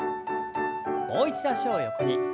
もう一度脚を横に。